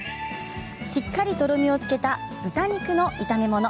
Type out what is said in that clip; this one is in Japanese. しっかりとろみをつけた豚肉の炒めもの。